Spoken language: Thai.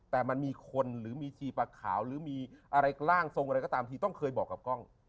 แต่มันมีคนหรือมีชีปลาขาวหรือมีอะไรร่างทรงอะไรก็ตามทีต้องเคยบอกกับกล้อง